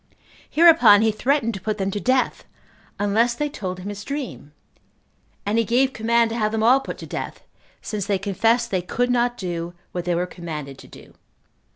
Hereupon he threatened to put them to death, unless they told him his dream; and he gave command to have them all put to death, since they confessed they could not do what they were commanded to do.